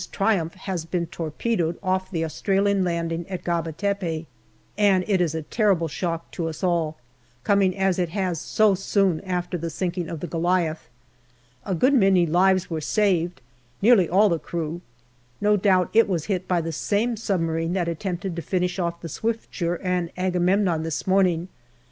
Triumph has been torpedoed off the Australian landing at Gabe Tepe, and it is a terrible shock to us all, coming as it has so soon after the sinking of the Goliath. A good many lives were saved nearly all the crew. No doubt it was hit by the same submarine that attempted to finish off the Swiftsure and Agamemnon this morning.